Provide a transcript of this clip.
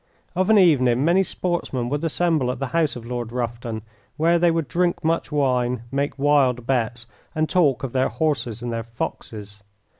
Of an evening many sportsmen would assemble at the house of Lord Rufton, where they would drink much wine, make wild bets, and talk of their horses and their foxes.